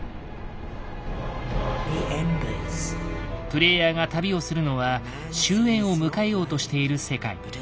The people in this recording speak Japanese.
プレイヤーが旅をするのは終焉を迎えようとしている世界。